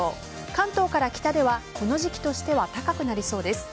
関東から北ではこの時期としては高くなりそうです。